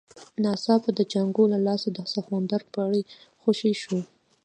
ناڅاپه د جانکو له لاسه د سخوندر پړی خوشی شو.